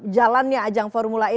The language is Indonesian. jalannya ajang formula e